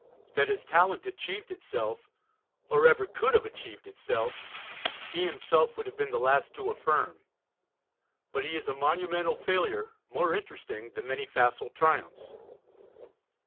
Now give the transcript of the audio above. That his talent achieved itself, or ever could have achieved itself, he himself would have been the last to affirm. But he is a monumental failure, more interesting than many facile triumphs.